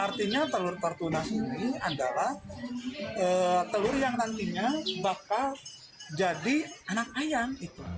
artinya telur tertuna ini adalah telur yang nantinya bakal jadi anak ayam